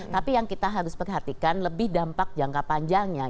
tapi yang kita harus perhatikan lebih dampak jangka panjangnya